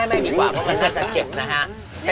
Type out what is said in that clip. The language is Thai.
โอ้ไม่ีกว่ามันก็จะเจ็บนะฮะ